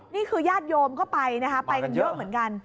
นี่คือยาดโยมก็ไปนะคะไปเยอะเหมือนกัน